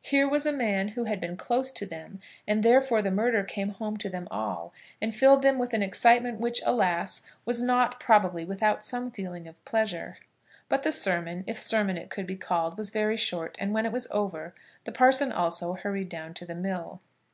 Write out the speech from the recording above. Here was a man who had been close to them, and therefore the murder came home to them all, and filled them with an excitement which, alas! was not probably without some feeling of pleasure. But the sermon, if sermon it could be called, was very short; and when it was over, the parson also hurried down to the mill.